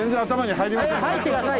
入ってくださいよ！